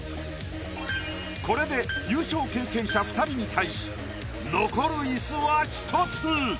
これで優勝経験者２人に対し残る椅子は１つ。